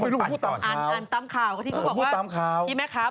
ให้บอกว่าที่แม็คค้าบอกไงว่าถามสุดาว